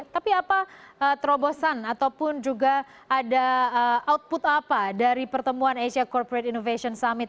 tapi apa terobosan ataupun juga ada output apa dari pertemuan asia corporate innovation summit